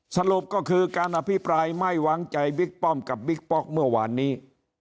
สรุปก็คือการอภิปรายไม่วางใจบิ๊กป้อมกับบิ๊กป๊อกเมื่อวานนี้